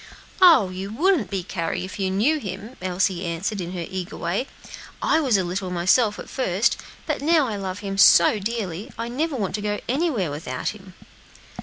"Oh! you wouldn't be, Carry, if you knew him," Elsie answered, in her eager way; "I was a little myself, at first, but now I love him so dearly, I never want to go anywhere without him."